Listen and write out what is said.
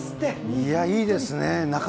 いや、いいですね。